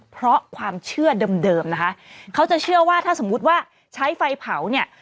เพราะความเชื่อเดิมนะคะเขาจะเชื่อว่าถ้าสมมุติว่าใช้ไฟเผาเนี่ย